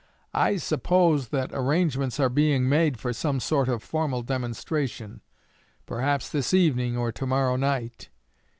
I suppose that arrangements are being made for some sort of formal demonstration, perhaps this evening or to morrow night.